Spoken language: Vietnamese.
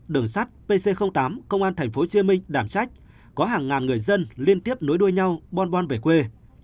đường sắt pc tám công an thành phố chiê minh đảm trách có hàng ngàn người dân liên tiếp nối đuôi nhau bon bon về quê